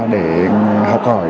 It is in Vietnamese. để học hỏi